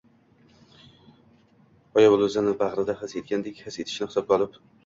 go‘yo bola o‘zini ona bag‘rida his etgandek his etishini hisobga olib